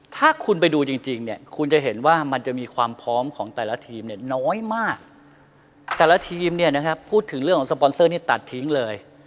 ถ้าคุณไปดูจริงเนี่ยคุณจะเห็นว่ามันจะมีความพร้อมของแต่ละทีมเนี่ยน้อยมากแต่ละทีมเนี่ยนะครับพูดถึงเรื่องของสปอนเซอร์นี่ตัดทิ้งเลย